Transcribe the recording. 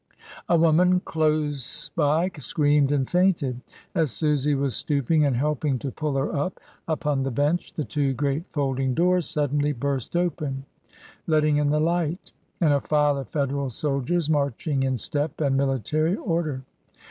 A woman close by screamed and fainted. As Susy was stooping and helping to pull her up upon the bench the two great folding doors suddenly burst open, letting in the light, and a file of Federal soldiers marching in step and military order.